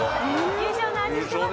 優勝の味してます？